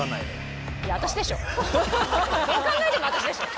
どう考えても私でしょ。